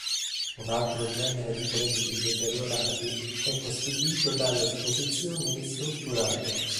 Un altro genere di crediti deteriorati è costituito dalle esposizioni ristrutturate.